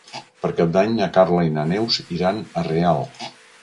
Per Cap d'Any na Carla i na Neus iran a Real.